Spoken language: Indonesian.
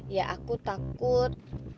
ya aku takut